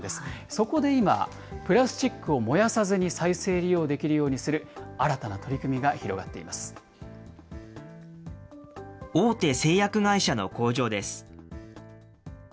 そこで今、プラスチックを燃やさずに再生利用できるようにする新大手製薬会社の工場です。